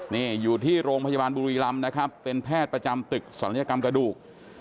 นี่อยู่ที่โรงพยาบาลบุรีรำนะครับเป็นแพทย์ประจำตึกศัลยกรรมกระดูก